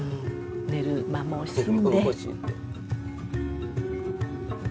寝る間も惜しんで。